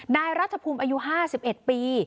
นายรัฐภูมิอายุ๕๑ปี